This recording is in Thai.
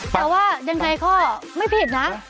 แต่ว่ายังไงก็ไม่ผิดนะ